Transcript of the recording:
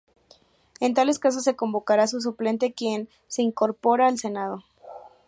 En tales casos se convocará a su suplente, quien se incorpora al Senado.